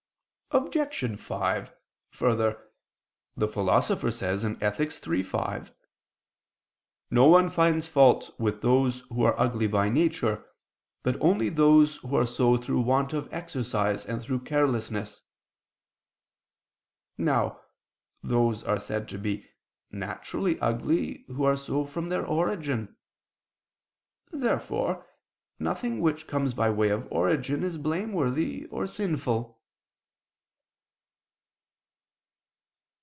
Obj. 5: Further, the Philosopher says (Ethic. iii, 5): "No one finds fault with those who are ugly by nature, but only those who are so through want of exercise and through carelessness." Now those are said to be "naturally ugly," who are so from their origin. Therefore nothing which comes by way of origin is blameworthy or sinful.